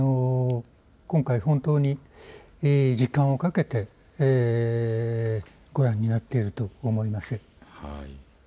今回、本当に時間をかけてご覧になっていると思います。